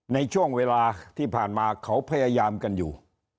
ในช่วงเวลาที่ผ่านมาเขาพยายามกันอยู่